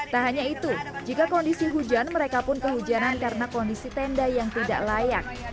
tak hanya itu jika kondisi hujan mereka pun kehujanan karena kondisi tenda yang tidak layak